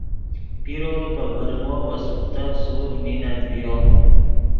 پیرو پے برمو ڤے سوکتف سورڤ نینت ڤیو